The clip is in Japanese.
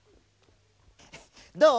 どう？